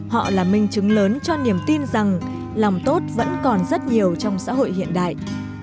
họ là minh chứng lớn cho niềm tin rằng lòng tốt vẫn còn rất nhiều trong xã hội hiện đại